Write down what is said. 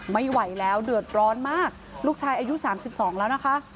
ไม่ไหวแล้วเดือดร้อนมากลูกชายอายุ๓๒แล้วนะคะ